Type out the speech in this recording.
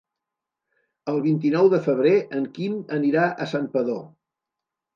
El vint-i-nou de febrer en Quim anirà a Santpedor.